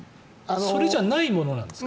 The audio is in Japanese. それじゃないものなんですか。